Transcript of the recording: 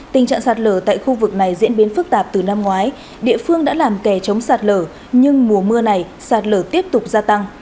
tình trạng sạt lở tại khu vực này diễn biến phức tạp từ năm ngoái địa phương đã làm kè chống sạt lở nhưng mùa mưa này sạt lở tiếp tục gia tăng